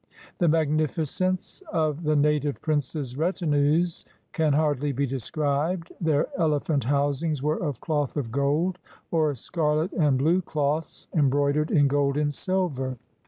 The magnificence of the native princes' retinues can hardly be described ; their elephant housings were of cloth of gold, or scarlet and blue cloths embroidered in gold and silver.